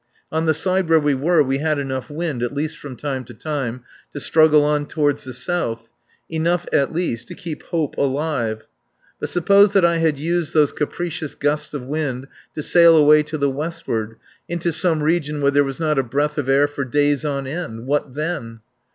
On the side where we were we had enough wind, at least from time to time, to struggle on toward the south. Enough, at least, to keep hope alive. But suppose that I had used those capricious gusts of wind to sail away to the westward, into some region where there was not a breath of air for days on end, what then?